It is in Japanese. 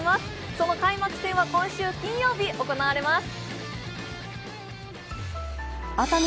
その開幕戦は今週金曜日行われます。